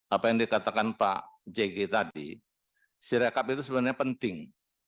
apa yang dikatakan pak jk tadi sirekap itu sebenarnya penting